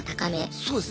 そうですね。